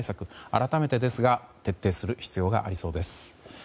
改めてですが徹底する必要がありそうです。